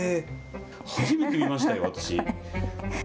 初めて見ましたよ、私。